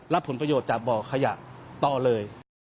ผลประโยชน์จากบ่อขยะต่อเลย